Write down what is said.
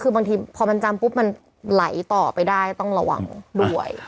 คือบางทีพอมันจำปุ๊บมันไหลต่อไปได้ต้องระวังด้วย